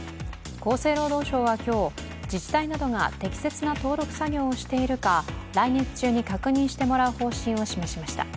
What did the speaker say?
厚生労働省は今日、自治体などが適切な登録作業をしているか、来月中に確認してもらう方針を示しました。